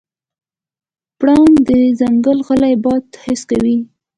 پړانګ د ځنګل غلی باد حس کوي.